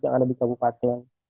yang ada di kabupaten